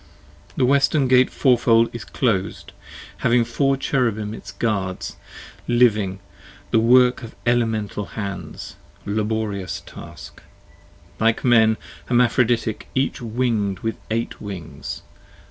The Western Gate fourfold, is clos'd: having four Cherubim Its guards, living, the work of elemental hands, laborious task: Like Men, hermaphroditic, each winged with eight wings.